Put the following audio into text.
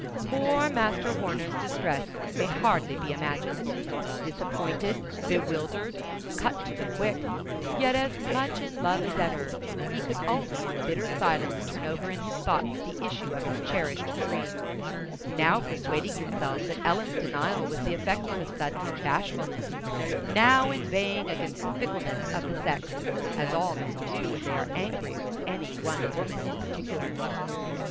Poor Master Horner's distress may hardly be imagined. Disappointed, bewildered, cut to the quick, yet as much in love as ever, he could only in bitter silence turn over in his thoughts the issue of his cherished dream; now persuading himself that Ellen's denial was the effect of a sudden bashfulness, now inveighing against the fickleness of the sex, as all men do when they are angry with any one woman in particular.